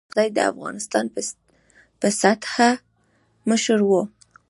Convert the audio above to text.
حاجي خير محمد اسحق زی د افغانستان په سطحه مشر وو.